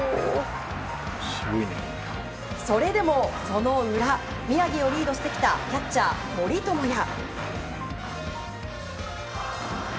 それでも、その裏。宮城をリードしてきたキャッチャー、森友哉。